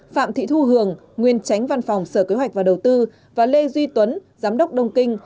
phạm thị thu hường nguyên tránh văn phòng sở kế hoạch và đầu tư và lê duy tuấn giám đốc đông kinh